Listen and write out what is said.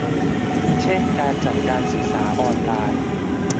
เช่นการจัดการศึกษาออนไลน์